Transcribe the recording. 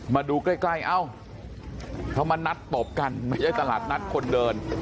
มาดูใกล้เอ้าเขามานัดตบกันไม่ใช่ตลาดนัดคนเดิน